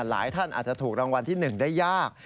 หลายท่านอาจจะถูกรางวัลที่๑ได้ยาก